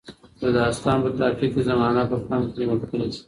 د داستان په تحقیق کې زمانه په پام کې نیول کیږي.